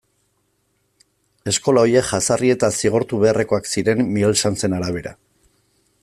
Eskola horiek jazarri eta zigortu beharrekoak ziren Miguel Sanzen arabera.